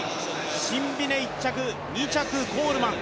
シンビネ１着、２着コールマン。